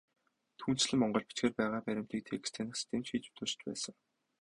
Түүнчлэн, монгол бичгээр байгаа баримтыг текст таних систем ч хийж туршиж байсан.